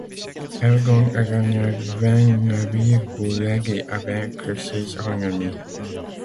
Elle donne à Ragnar vingt navires pour l'aider à vaincre ses ennemis.